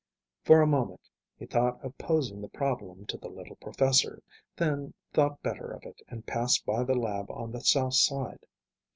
For a moment he thought of posing the problem to the little professor, then thought better of it and passed by the lab on the south side.